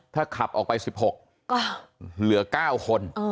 ถ้าขับออกไป๑๖ก็เหลือ๙คน